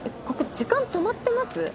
ここ時間止まってます？